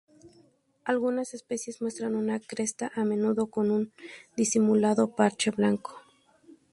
Algunas especies muestran una cresta, a menudo con un disimulado parche blanco.